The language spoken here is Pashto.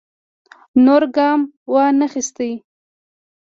نور ګام وانه خیست.